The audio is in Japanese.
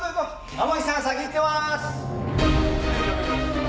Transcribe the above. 天樹さん先行ってます！